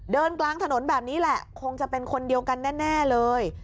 กลางถนนแบบนี้แหละคงจะเป็นคนเดียวกันแน่เลย